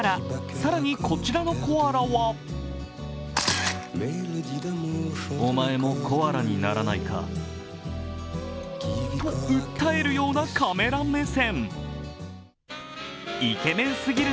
更にこちらのコアラはと訴えるようなカメラ目線。